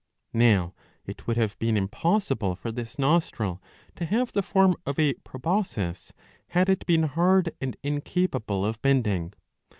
Now it would have been impossible for this nostril to have the form of a proboscis, had it been hard and incapable of bending.